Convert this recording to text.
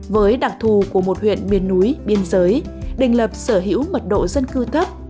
với đặc thù của một huyện miền núi biên giới đình lập sở hữu mật độ dân cư thấp